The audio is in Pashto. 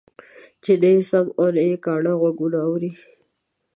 چې نه يې سم او نه کاڼه غوږونه اوري.